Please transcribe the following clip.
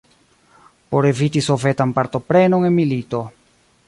Por eviti Sovetan partoprenon en milito.